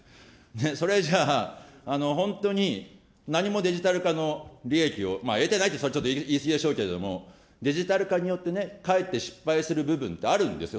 それじゃあ、本当に何もデジタル化の利益を、得てないって、それはちょっと言い過ぎでしょうけど、デジタル化によってね、かえって失敗する部分ってあるんですよ。